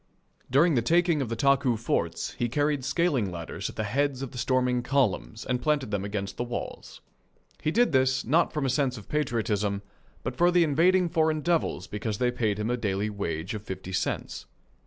During the taking of the Taku forts he carried scaling ladders at the heads of the storming columns and planted them against the walls. He did this, not from a sense of patriotism, but for the invading foreign devils because they paid him a daily wage of fifty cents.